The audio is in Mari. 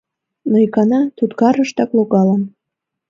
Но икана туткарышкат логалын.